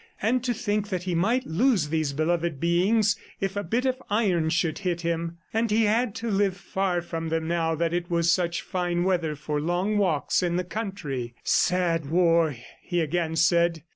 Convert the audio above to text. And to think that he might lose these beloved beings if a bit of iron should hit him! ... And he had to live far from them now that it was such fine weather for long walks in the country! ... "Sad war!" he again said.